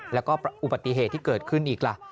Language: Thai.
แล้วก็อุปสรรค์ที่เกิดขึ้นอีกล่ะ